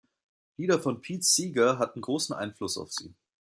Lieder von Pete Seeger hatten großen Einfluss auf sie.